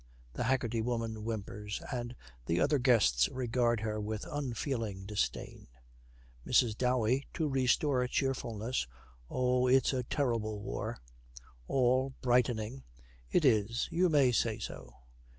The Haggerty Woman whimpers, and the other guests regard her with unfeeling disdain. MRS. DOWEY, to restore cheerfulness, 'Oh, it's a terrible war.' ALL, brightening, 'It is. You may say so.'